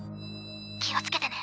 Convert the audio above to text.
気を付けてね。